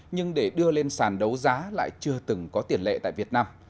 nhưng để đưa lên sàn đấu giá lại chưa từng có tiền lệ tại việt nam